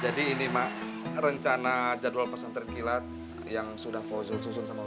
jadi ini mak rencana jadwal pesantren kilat yang sudah fauzul susun sama rumana